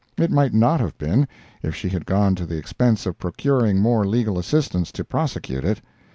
It might not have been, if she had gone to the expense of procuring more legal assistance to prosecute it.